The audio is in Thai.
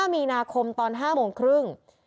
มีนาคมตอน๕โมงครึ่ง